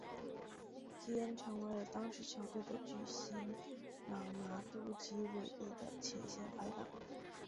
基恩成为了当时球队的巨星朗拿度及韦利的前线拍挡。